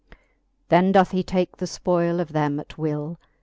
Then doth he take the ipolle of them at will.